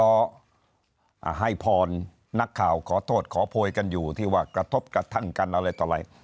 ก็ให้พรนักข่าวขอโทษขอโพยกันอยู่ที่ว่ากระทบกระทั่งกันอะไรต่ออะไร